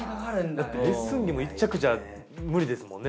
だってレッスン着も１着じゃ無理ですもんね。